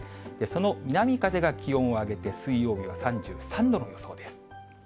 その南風が気温を上げて、水曜日は３３度の予想です。